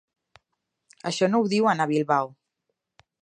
Això no ho diuen a Bilbao.